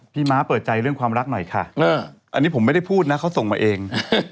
ม้าเปิดใจเรื่องความรักหน่อยค่ะอันนี้ผมไม่ได้พูดนะเขาส่งมาเอง